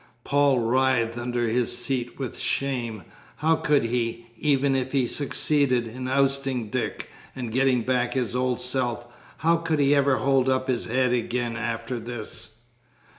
Paul writhed under his seat with shame. How could he, even if he succeeded in ousting Dick and getting back his old self, how could he ever hold up his head again after this?